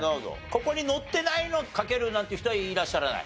ここに載ってないのかけるなんていう人はいらっしゃらない？